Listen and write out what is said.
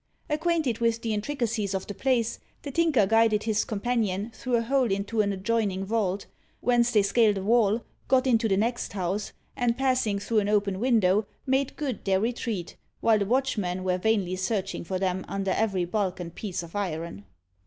Acquainted with the intricacies of the place, the Tinker guided his companion through a hole into an adjoining vault, whence they scaled a wall, got into the next house, and passing through an open window, made good their retreat, while the watchmen were vainly searching for them under every bulk and piece of iron.